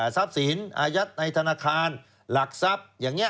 ทรัพย์สินอายัดในธนาคารหลักทรัพย์อย่างนี้